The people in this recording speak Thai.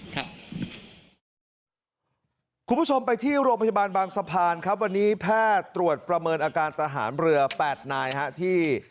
คุณผู้ชมไปที่โรงพยาบาลบางสะพานครับวันนี้แพทย์ตรวจประเมินอาการทหารเรือ๘นายที่